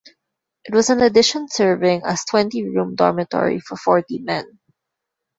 It was an addition serving as a twenty-room dormitory for forty men.